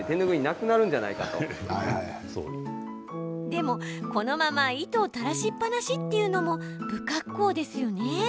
でも、このまま糸垂らしっぱなしっていうのも不格好ですよね？